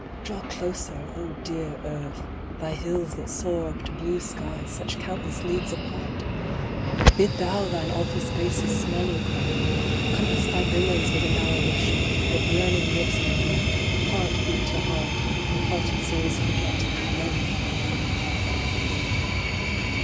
Draw closer, O dear Earth, thy hills that soar Up to blue skies such countless leagues apart ! Bid thou thine awful spaces smaller grow ! Compass thy billows with a narrower shore, That yearning lips may meet, heart beat to heart, And parted souls forget their lonely woe